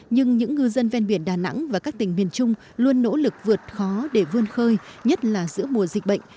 nhưng những ngư dân ven biển đà nẵng và các tỉnh miền trung luôn nỗ lực vượt khó để vươn khơi nhất là giữa mùa dịch bệnh